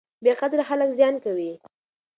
بې قدره خلک زیان کوي.